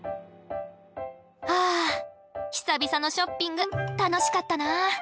あ久々のショッピング楽しかったな！